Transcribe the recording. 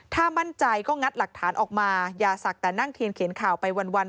ถ้ามั่นใจก็งัดหลักฐานออกมาอย่าศักดิ์แต่นั่งเทียนเขียนข่าวไปวัน